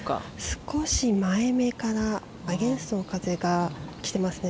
少し前めからアゲンストの風が来ています。